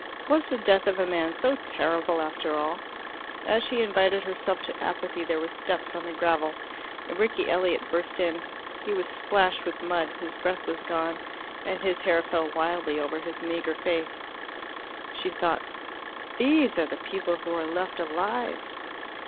Was the death of a man so terrible after all? As she invited herself to apathy there were steps on the gravel, and Rickie Elliot burst in. He was splashed with mud, his breath was gone, and his hair fell wildly over his meagre face. She thought, "These are the people who are left alive!"